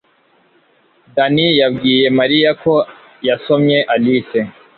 Danny yabwiye Mariya ko yasomye Alice.